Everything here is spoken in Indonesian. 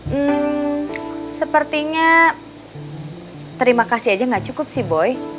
hmm sepertinya terima kasih aja gak cukup sih boy